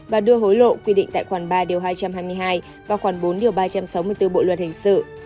và đưa hối lộ quy định tại khoản ba điều hai trăm hai mươi hai và quy định tại khoản bốn điều ba trăm sáu mươi bốn bộ luật hình sự